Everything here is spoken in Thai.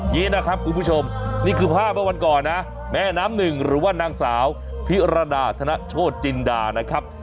อย่างนี้นะครับคุณผู้ชมนี่คือภาพเมื่อวันก่อนนะแม่น้ำหนึ่งหรือว่านางสาวพิรดาธนโชธจินดานะครับ